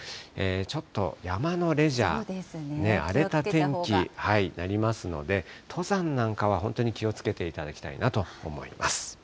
ちょっと山のレジャー、荒れた天気になりますので、登山なんかは本当に気をつけていただきたいなと思います。